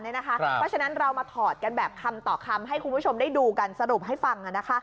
เพราะฉะนั้นเรามาถอดกันแบบคำต่อคำให้คุณผู้ชมได้ดูกันสรุปให้ฟัง